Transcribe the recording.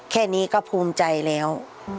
แค่นี้ก็ภูมิใจแล้ว